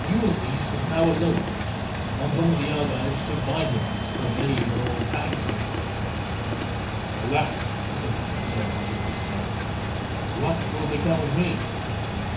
Ulysses was now alone; not one of the Argives stood by him, for they were all panic stricken. "Alas," said he to himself in his dismay, "what will become of me?